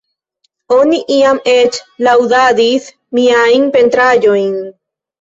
Oni iam eĉ laŭdadis miajn pentraĵojn.